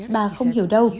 bà không hiểu đâu